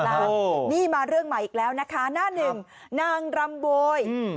นี่มาเรื่องใหม่อีกแล้วนะคะหน้าหนึ่งนางรำโวยอืม